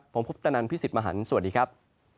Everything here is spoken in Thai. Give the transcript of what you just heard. ผมพุทธนันพี่สิทธิ์มหันฯสวัสดีครับ